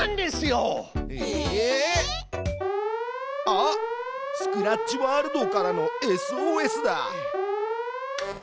あっスクラッチワールドからのＳＯＳだ！